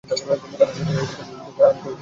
কাজেই এই পৃথক আমিত্ব-বোধ ত্যাগ করিতে হইবে।